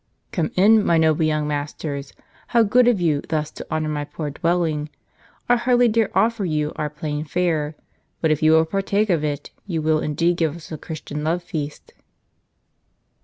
" Come in, my noble young masters ; how good of you thus to honor my poor dwelling ! I hardly dare oifer you our plain fare ; but if you will partake of it, you will indeed give us a Christian love feast."